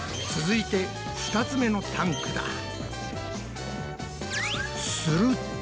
続いて２つ目のタンクだ。